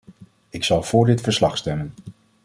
Ik zal voor dit verslag stemmen.